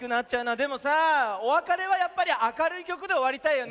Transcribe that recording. でもさあおわかれはやっぱりあかるいきょくでおわりたいよね。